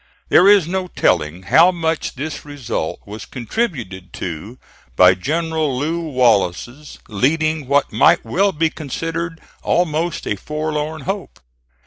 There is no telling how much this result was contributed to by General Lew Wallace's leading what might well be considered almost a forlorn hope.